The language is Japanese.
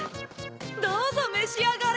どうぞめしあがれ！